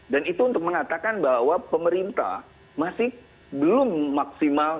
dan itu untuk mengatakan bahwa pemerintah masih belum maksimal